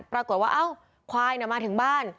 ปรากฏว่าเอ้าควายน่ะมาถึงบ้าน